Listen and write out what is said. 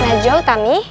nah jo tami